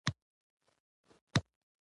موږ به تر هغه وخته پورې د نجونو ملاتړ کوو.